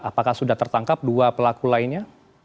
apakah sudah tertangkap dua pelaku lainnya